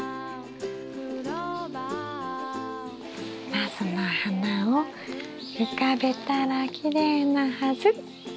ナスの花を浮かべたらきれいなはず。